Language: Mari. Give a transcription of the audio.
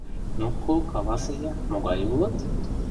— Ну-ко, каласе-я, могай улыт?